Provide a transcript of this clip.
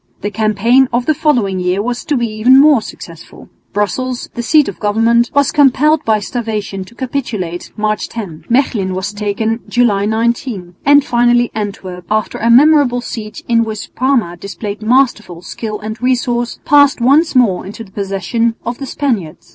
The campaign of the following year was to be even more successful. Brussels, the seat of government, was compelled by starvation to capitulate, March 10; Mechlin was taken, July 19; and finally Antwerp, after a memorable siege, in which Parma displayed masterly skill and resource, passed once more into the possession of the Spaniards.